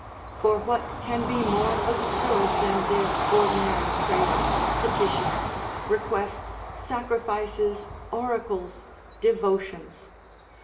For what can be more absurd than their ordinary prayers, petitions, requests, sacrifices, oracles, devotions?